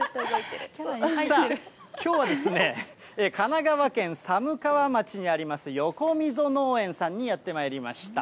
さあ、きょうは神奈川県寒川町にあります、横溝農園さんにやってまいりました。